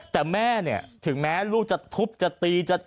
แต่แม่เนี่ยถึงแม้ลูกจะทุบจะตีจะอะไรก็ต่ำ